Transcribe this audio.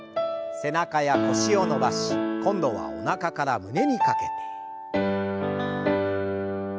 背中や腰を伸ばし今度はおなかから胸にかけて。